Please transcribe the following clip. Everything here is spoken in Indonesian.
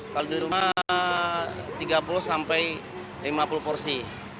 kalau di rumah tiga puluh sampai lima puluh porsi